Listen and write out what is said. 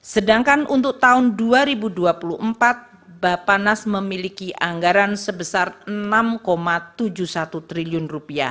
sedangkan untuk tahun dua ribu dua puluh empat bapanas memiliki anggaran sebesar rp enam tujuh puluh satu triliun